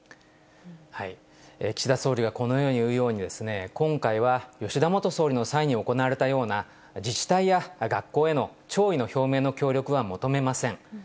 岸田総理がこのように言うように、今回は吉田元総理の際に行われたような、自治体や学校への弔意の表明の協力は求めません。